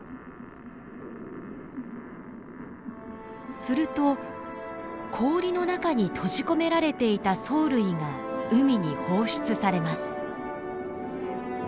すると氷の中に閉じ込められていた藻類が海に放出されます。